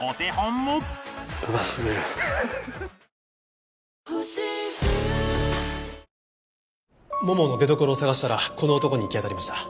ももの出どころを探したらこの男に行き当たりました。